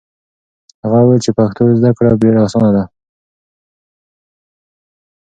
هغه وویل چې پښتو زده کړه ډېره اسانه ده.